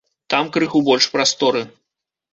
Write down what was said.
Там крыху больш прасторы.